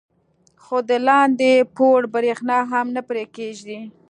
خو د لاندې پوړ برېښنا هم نه پرې کېږي.